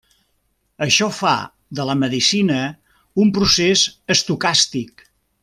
Això fa de la medicina un procés estocàstic.